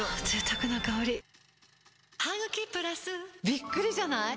贅沢な香りびっくりじゃない？